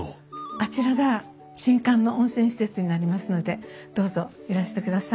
あちらが新館の温泉施設になりますのでどうぞいらしてください。